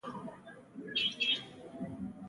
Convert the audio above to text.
د عنعنوي کرنې دوام حاصل کموي.